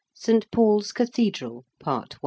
ST. PAUL'S CATHEDRAL. PART I.